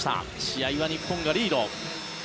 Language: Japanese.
試合は日本がリード。